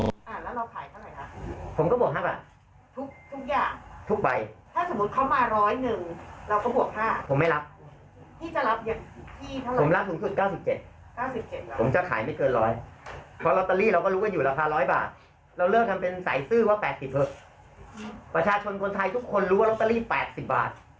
สนทรีย์ทุกคนรู้ว่าล็อตเตอรี่๘๐บาท